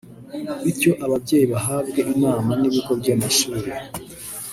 bityo ababyeyi bahabwe inama n’ibigo by’amashuri